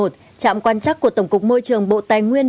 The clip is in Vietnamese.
trạm quan chắc của tổng cục môi trường bộ tài nguyên